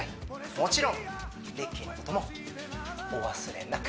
もちろんＲＩＣＫＥＹのこともお忘れなく